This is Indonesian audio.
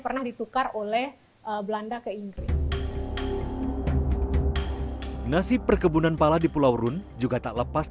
pernah ditukar oleh belanda ke inggris nasib perkebunan pala di pulau rune juga tak lepas